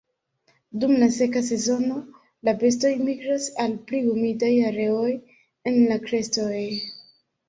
Dum la seka sezono la bestoj migras al pli humidaj areoj en la krestoj.